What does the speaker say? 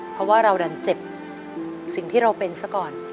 เพราะว่าเราดันเจ็บสิ่งที่เราเป็นซะก่อน